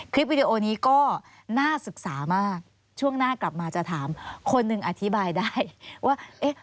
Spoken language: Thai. วิดีโอนี้ก็น่าศึกษามากช่วงหน้ากลับมาจะถามคนหนึ่งอธิบายได้ว่าเอ๊ะ